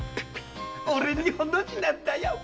俺にホの字なんだよ！